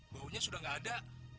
baunya sudah tidak ada